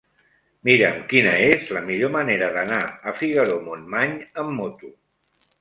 Mira'm quina és la millor manera d'anar a Figaró-Montmany amb moto.